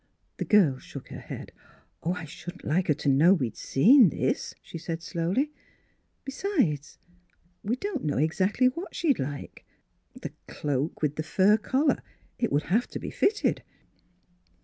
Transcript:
The girl shook her head. " I shouldn't like her to know we'd seen this," she said slowly. " Besides we don't know exactly what she'd like. The cloak with the fur collar — It would have to be fitted."